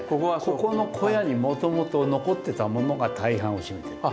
ここの小屋にもともと残ってたものが大半を占めてる。